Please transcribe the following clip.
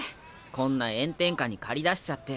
こんな炎天下に駆り出しちゃって。